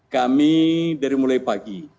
kami dari mulai pagi